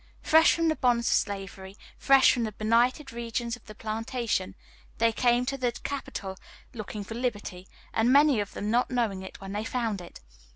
Fresh from the bonds of slavery, fresh from the benighted regions of the plantation, they came to the Capital looking for liberty, and many of them not knowing it when they found it.